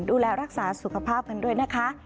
ดูแลรักษาสุขภาพกันด้วยนะคะ